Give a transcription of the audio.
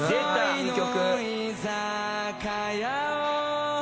「いい曲！」